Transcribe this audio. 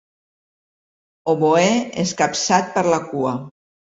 Oboè escapçat per la cua.